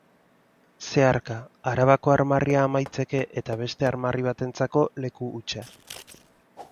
Zeharka: Arabako armarria amaitzeke eta beste armarri batentzako leku hutsa.